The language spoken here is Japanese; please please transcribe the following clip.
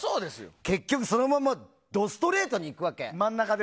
結局、そのままドストレートにいくわけ。